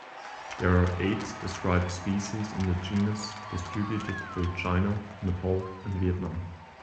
There are eight described species in the genus, distributed through China, Nepal and Vietnam.